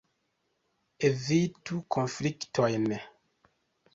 Evitu konfliktojn!